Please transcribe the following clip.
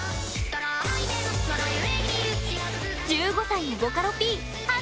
１５歳のボカロＰ晴